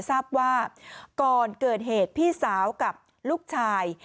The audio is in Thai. ทราบว่าก่อนเกิดเหตุพี่สาวกับลูกชาย